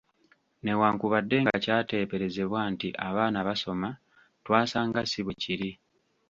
"Newankubadde nga kyateeberezebwa nti abaana basoma, twasanga si bwekiri."